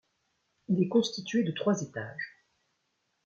Il est constitué de trois étages.